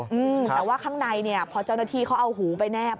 อืมแต่ว่าข้างในเนี่ยพอเจ้าหน้าที่เขาเอาหูไปแนบ